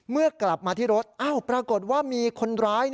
เมื่อกลับมาที่รถปรากฏว่ามีคนร้าย